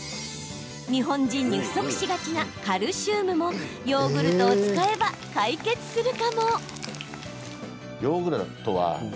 日本人に不足しがちなカルシウムもヨーグルトを使えば解決するかも。